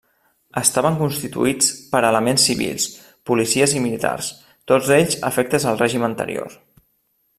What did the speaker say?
Estaven constituïts per elements civils, policies i militars, tots ells afectes al règim anterior.